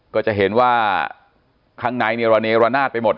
ก็จะเห็นว่าข้างในระเนระนาดไปหมด